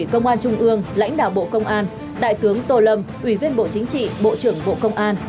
công an trung ương lãnh đạo bộ công an đại tướng tô lâm ủy viên bộ chính trị bộ trưởng bộ công an